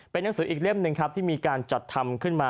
เป็นหนังสืออีกเล่มหนึ่งครับที่มีการจัดทำขึ้นมา